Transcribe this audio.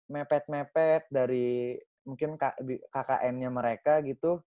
mepet mepet dari mungkin kkn nya mereka gitu